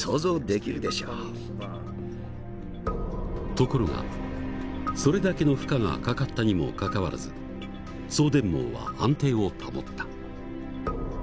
ところがそれだけの負荷がかかったにもかかわらず送電網は安定を保った。